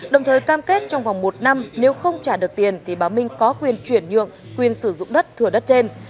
đồng thời cam kết trong vòng một năm nếu không trả được tiền thì bà minh có quyền chuyển nhượng quyền sử dụng đất thừa đất trên